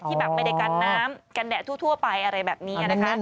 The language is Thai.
แบบไม่ได้กันน้ำกันแดดทั่วไปอะไรแบบนี้นะคะ